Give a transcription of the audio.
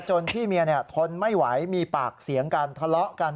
จนพี่เมียเนี่ยทนไม่ไหวมีปากเสียงการทะเลาะกัน